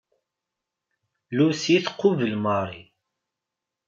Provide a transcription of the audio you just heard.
Lucie tqubel Marie.